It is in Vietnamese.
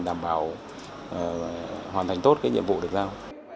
đảm bảo hoàn thành tốt cái nhiệm vụ được giao